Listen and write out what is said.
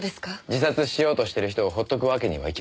自殺しようとしてる人をほっとくわけにはいきません。